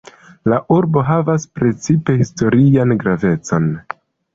La urbo havas precipe historian gravecon.